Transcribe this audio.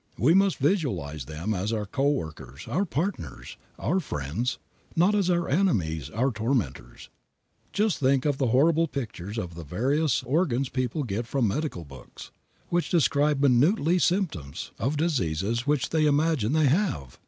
We must visualize them as our co workers, our partners, our friends, not as our enemies, our tormentors. Just think of the horrible pictures of their various organs people get from medical books, which describe minutely symptoms of diseases which they imagine they have!